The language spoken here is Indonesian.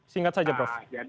singkat saja prof